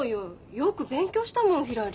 よく勉強したもんひらり。